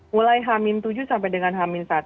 mulai h tujuh sampai dengan hamin satu